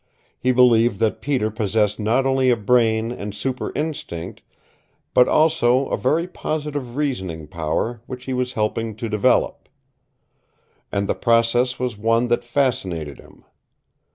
He believed that Peter possessed not only a brain and super instinct, but also a very positive reasoning power which he was helping to develop. And the process was one that fascinated him.